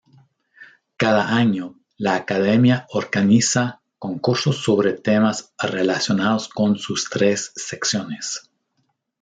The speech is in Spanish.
Cada año la Academia organiza concursos sobre temas relacionados con sus tres secciones.